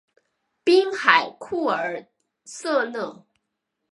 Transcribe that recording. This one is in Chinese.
滨海库尔瑟勒。